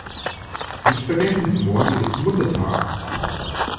Nicht vergessen: Morgen ist Muttertag!